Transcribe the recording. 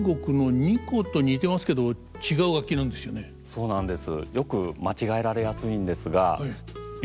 そうなんです。